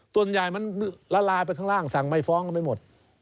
ส่วนใหญ่มันละลายไปข้างล่างสั่งไม่ฟ้องกันไปหมด